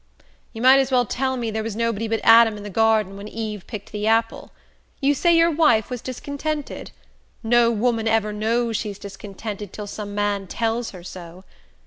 "You might as well tell me there was nobody but Adam in the garden when Eve picked the apple. You say your wife was discontented? No woman ever knows she's discontented till some man tells her so.